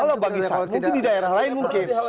kalau bagi saya mungkin di daerah lain mungkin